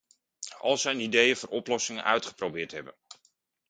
Al zijn ideeën voor oplossingen uitgeprobeerd hebben.